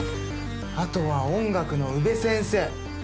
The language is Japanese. あとは音楽の宇部先生。